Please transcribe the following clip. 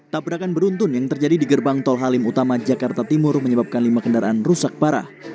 tabrakan beruntun yang terjadi di gerbang tol halim utama jakarta timur menyebabkan lima kendaraan rusak parah